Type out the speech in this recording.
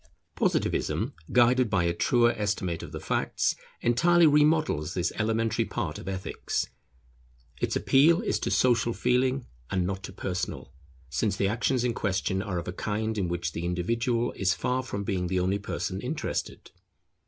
Positivism, guided by a truer estimate of the facts, entirely remodels this elementary part of Ethics. Its appeal is to social feeling, and not to personal, since the actions in question are of a kind in which the individual is far from being the only person interested.